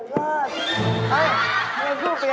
เฮ่ยทำไมพูดเปลี่ยน